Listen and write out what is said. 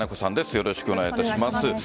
よろしくお願いします。